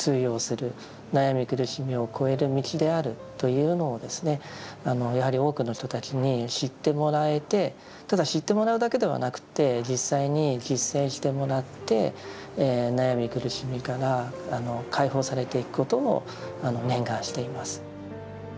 苦しみをこえる道であるというのをやはり多くの人たちに知ってもらえてただ知ってもらうだけではなくて実際に実践してもらって悩み苦しみから解放されていくことを念願しています。